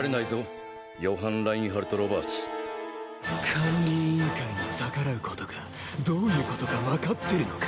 管理委員会に逆らう事がどういう事かわかってるのか？